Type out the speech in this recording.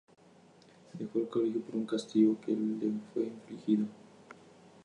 Dejó el colegio por un castigo que le fue infligido.